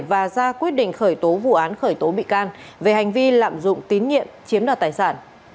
và ra quyết định khởi tố vụ án khởi tố bị can về hành vi lạm dụng tín nhiệm chiếm đoạt tài sản